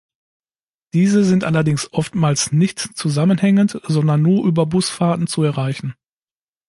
Diese sind allerdings oftmals nicht zusammenhängend, sondern nur über Busfahrten zu erreichen.